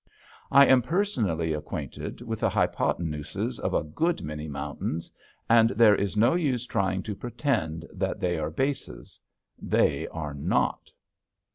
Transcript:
I am personally acquainted with the hypotenuses of a good many mountains, and there is no use trying to pretend that they are bases. They are not.